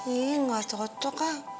ih gak cocok lah